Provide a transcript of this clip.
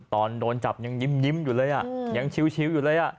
ตอนโดนจับยังยิ้มอยู่เลยอ่ะยังชิวอยู่เลยอ่ะ